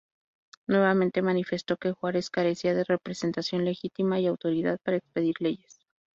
Nuevamente manifestó que Juárez carecía de representación legítima y autoridad para expedir leyes.